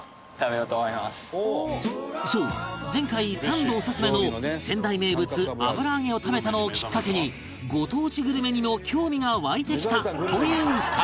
そう前回サンドおすすめの仙台名物油揚げを食べたのをきっかけにご当地グルメにも興味が湧いてきたという２人